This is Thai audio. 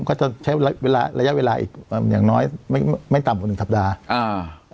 ก็จะใช้ระยะเวลาอย่างน้อยไม่ต่ำกว่าหนึ่งสัปดาห์